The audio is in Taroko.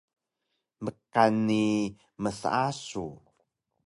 Mkan ni mseasug